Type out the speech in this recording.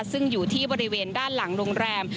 ซึ่งอยู่ที่บริเวณด้านหลังโรงแรม